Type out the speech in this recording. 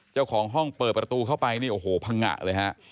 เจ้าของห้องเปิดประตูเข้าไปนี่โอ้โหพังงะเลยฮะ